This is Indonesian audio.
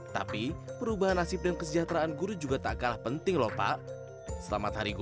tapi perubahan nasib dan kesejahteraan guru juga tak kalah penting lho pak